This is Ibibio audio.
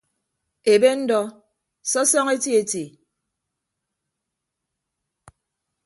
Ebe ndọ sọsọñọ eti eti.